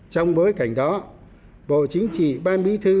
trong bối cảnh đó bộ chính trị ban bí thư